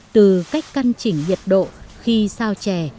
từ cách căn chỉnh nhiệt độ khi sao chè